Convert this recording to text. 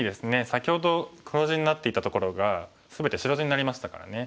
先ほど黒地になっていたところが全て白地になりましたからね。